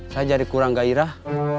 saya jadi kurang gairah